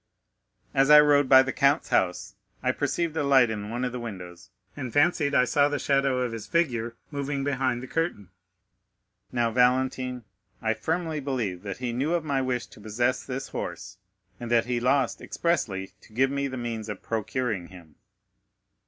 As I rode by the count's house I perceived a light in one of the windows, and fancied I saw the shadow of his figure moving behind the curtain. Now, Valentine, I firmly believe that he knew of my wish to possess this horse, and that he lost expressly to give me the means of procuring him."